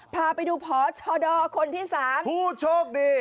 พาไปดูพอร์ตชอดอคนที่สามผู้โชคดี